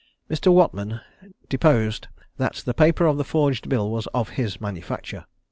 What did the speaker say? Mr. Whatman deposed that the paper of the forged bill was of his manufacture.